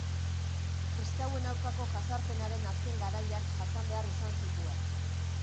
Kristauen aurkako jazarpenaren azken garaiak jasan behar izan zituen.